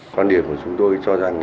con điểm của chúng tôi cho rằng